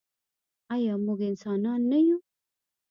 آیا موږ انسانان نه یو؟